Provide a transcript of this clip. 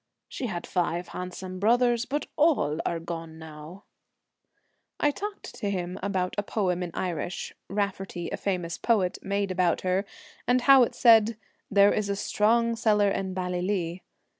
She had five handsome brothers, but all are gone now !' I talked to him about a poem in Irish, Raftery, a famous poet, made about her, and how it said, 'there is a strong cellar in Bally 36 lee.'